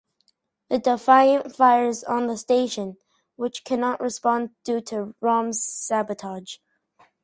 The "Defiant" fires on the station, which cannot respond due to Rom's sabotage.